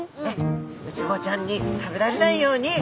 ウツボちゃんに食べられないように。